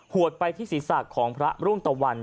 วดไปที่ศีรษะของพระรุ่งตะวัน